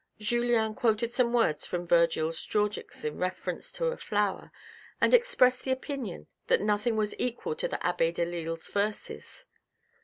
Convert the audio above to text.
Julien quoted some words from Virgil's Georgics in reference to a flower and expressed the opinion that nothing was equal to the abbe Delille's verses.